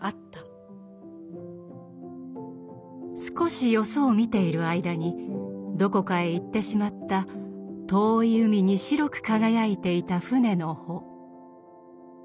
少しよそを見ている間にどこかへ行ってしまった遠い海に白く輝いていた舟の帆。